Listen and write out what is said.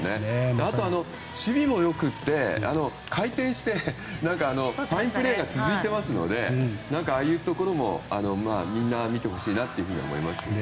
あと、守備も良くてファインプレーが続いていますのでああいうところもみんなに見てほしいなと思います。